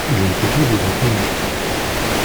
Je ne peux pas vous entendre.